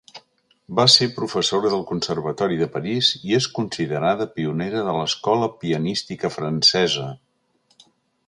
Va ser professora del Conservatori de París i és considerada pionera de l’escola pianística francesa.